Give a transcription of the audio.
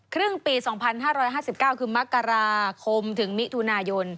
ครึ่งปี๒๕๕๙คือมกราคมถึงมิถุนายน